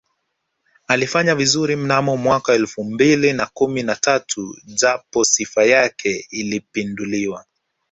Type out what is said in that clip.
Alifanya vizuri mnamo mwaka elfu mbili na kumi na tatu japo Sifa yake ilipinduliwa